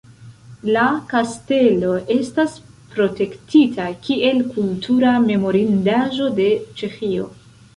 La kastelo estas protektita kiel kultura memorindaĵo de Ĉeĥio.